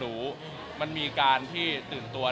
คือแฟนคลับเขามีเด็กเยอะด้วย